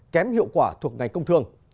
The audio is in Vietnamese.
kém hiệu quả thuộc ngành công thương